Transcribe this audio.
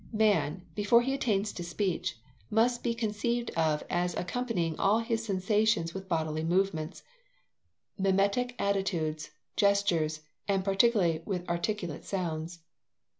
Man, before he attains to speech, must be conceived of as accompanying all his sensations with bodily movements, mimetic attitudes, gestures, and particularly with articulate sounds.